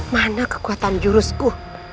mana kekuatan jurusku